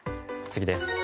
次です。